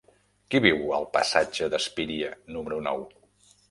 Qui viu al passatge d'Espíria número nou?